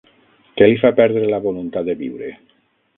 Què li fa perdre la voluntat de viure?